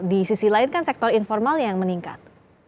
di sisi lain kan sektor informalnya yang meningkat